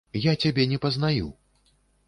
Я цябе не пазнаю.